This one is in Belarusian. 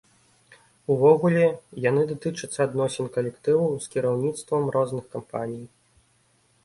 Увогуле, яны датычацца адносін калектываў з кіраўніцтвам розных кампаній.